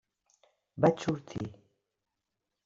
Vaig sortir.